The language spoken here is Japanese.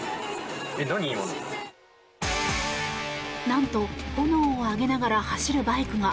なんと炎を上げながら走るバイクが。